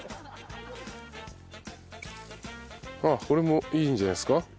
これもいいんじゃないですか？